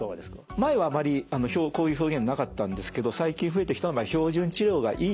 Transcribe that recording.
前はあまりこういう表現なかったんですけど最近増えてきたまあ標準治療がいいと。